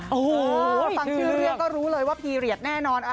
ฟังชื่อเรียนก็รู้เลยว่าพีเหรียดแน่นอน